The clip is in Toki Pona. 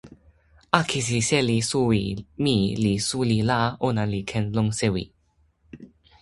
akesi seli suwi mi li suli la ona li ken lon sewi.